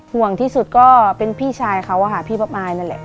ห่วงที่สุดก็เป็นพี่ชายเขาอะค่ะพี่บ๊อบอายนั่นแหละ